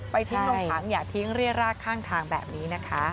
ทิ้งลงถังอย่าทิ้งเรียรากข้างทางแบบนี้นะคะ